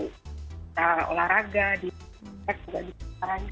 kita olahraga di tempat juga di tempat olahraga